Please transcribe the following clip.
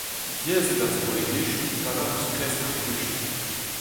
Diaes eo d'ar strollegezhioù talañ ouzh kresk ar prizioù.